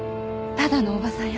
ただのおばさんよ。